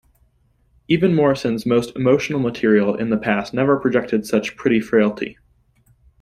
Even Morrison's most emotional material in the past never projected such pretty frailty.